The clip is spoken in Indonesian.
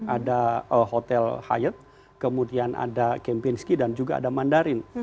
ada hotel hayat kemudian ada kempinski dan juga ada mandarin